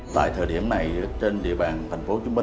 tại thời điểm này trên địa bàn tp hcm